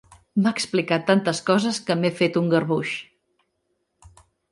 M'ha explicat tantes coses, que m'he fet un garbuix.